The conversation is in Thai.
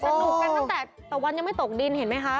สนุกกันตั้งแต่ตะวันยังไม่ตกดินเห็นไหมคะ